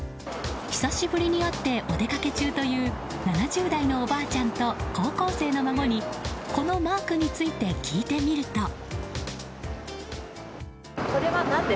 久しぶりに会ってお出かけ中という７０代のおばあちゃんと高校生の孫にこのマークについて聞いてみると。